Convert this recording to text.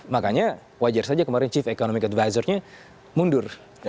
makanya wajar saja kemarin chief economic advisor nya mundur